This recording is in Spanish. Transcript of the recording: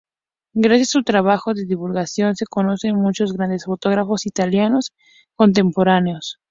Gracias a su trabajo de divulgación se conocen muchos grandes fotógrafos italianos contemporáneos.